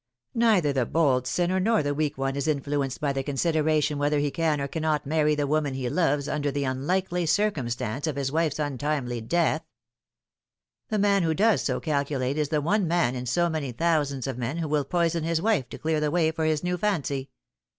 Neither the bold sinner nor the weak one is influenced by the consideration whether ho croi or cannot marry the woman he loves undes 116 The Fatal Three. the unlikely circumstance of his wife's untimely death. The man who does so calculate is the one man in so many thous ands of men who will poison his wife to clear the way for his new fancy.